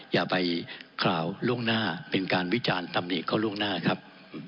อย่าไปคราวล่วงหน้าเป็นการวิจารณ์ตำหนิเขาล่วงหน้าครับ